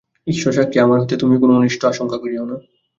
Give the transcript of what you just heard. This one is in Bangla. ঈশ্বর সাক্ষী, আমা হইতে তুমি কোনো অনিষ্ট আশঙ্কা করিয়ো না।